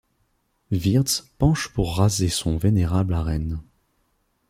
Wirtz penche pour raser son vénérable arène.